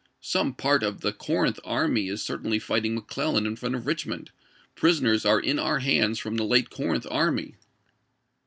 Some part of the Corinth army is cer tainly fighting McClellan in front of Richmond. Prisoners are in our hands from the late Corinth army."